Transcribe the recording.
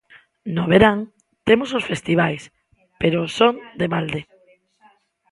No verán temos os festivais, pero son de balde.